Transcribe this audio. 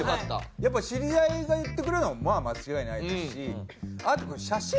やっぱ知り合いが言ってくれるのはまあ間違いないですし。